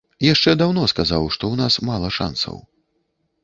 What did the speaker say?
Яшчэ даўно сказаў, што ў нас мала шанцаў.